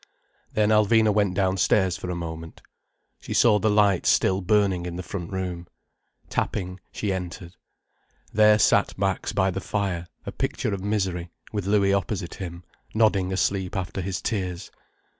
Then Alvina went downstairs for a moment. She saw the light still burning in the front room. Tapping, she entered. There sat Max by the fire, a picture of misery, with Louis opposite him, nodding asleep after his tears.